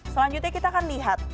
selanjutnya kita akan lihat